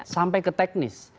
sampai ke teknis